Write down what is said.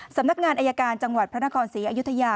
สำนักงานอายการจังหวัดพระนครศรีอยุธยา